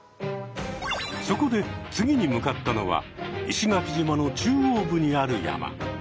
そこで次に向かったのは石垣島の中央部にある山。